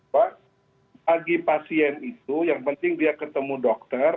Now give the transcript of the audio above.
pak bagi pasien itu yang penting dia ketemu dokter